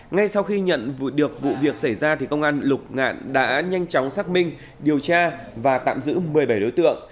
ngay sau khi nhận được vụ việc xảy ra công an lục ngạn đã nhanh chóng xác minh điều tra và tạm giữ một mươi bảy đối tượng